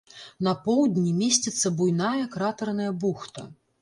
На поўдні месціцца буйная кратэрная бухта.